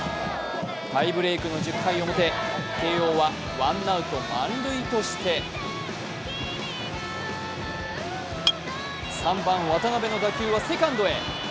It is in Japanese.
タイブレークの１０回表慶応はワンアウト満塁として、３番・渡辺の打球はセカンドへ。